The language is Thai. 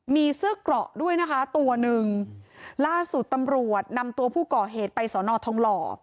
มีเสื้อเกราะด้วยนะคะตัวหนึ่งล่าสุดตำรวจนำตัวผู้ก่อเหตุไปสอนอทองหล่อ